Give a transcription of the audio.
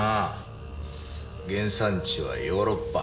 原産地はヨーロッパ。